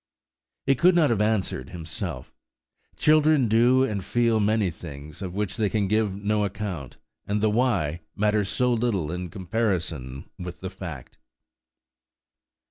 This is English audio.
He could not have answered himself. Children do and feel many things of which they can give no account, and the why, matters so little in comparison with the fact.